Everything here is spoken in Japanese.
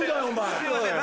すいません